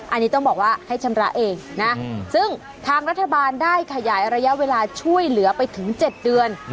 อันนี้ต้องบอกว่าให้ชำระเองนะซึ่งทางรัฐบาลได้ขยายระยะเวลาช่วยเหลือไปถึง๗เดือน